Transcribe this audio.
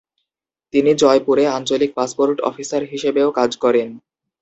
তিনি জয়পুরে আঞ্চলিক পাসপোর্ট অফিসার হিসেবেও কাজ করেন।